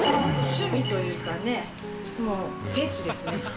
趣味というかねフェチですね。